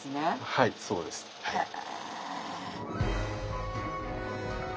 はいそうです。へえ。